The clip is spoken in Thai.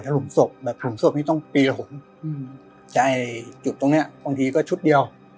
ตรงนี้ต้องปีละห่วงอืมแต่จุดตรงเนี้ยบางทีก็ชุดเดียว